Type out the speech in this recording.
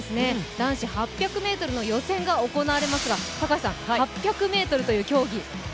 男子８００ｍの予選が行われますが、８００ｍという競技。